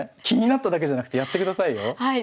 気になっただけじゃなくてやってくださいよ？